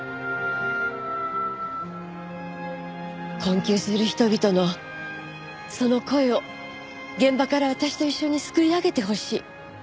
困窮する人々のその声を現場から私と一緒にすくい上げてほしい。